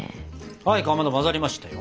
はいかまど混ざりましたよ。